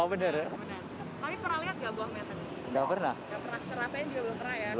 waduh nggak tahu nih